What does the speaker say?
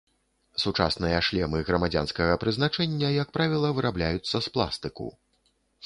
Сучасныя шлемы грамадзянскага прызначэння, як правіла, вырабляюцца з пластыку.